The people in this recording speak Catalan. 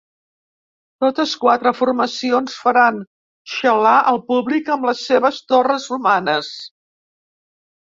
Totes quatre formacions faran xalar el públic amb les seves torres humanes.